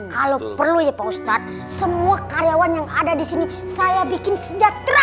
kalo perlu ya pak ustadz semua karyawan yang ada disini saya bikin sejahtera